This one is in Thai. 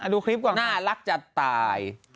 ดูคลิปก่อนน่ารักจะตาย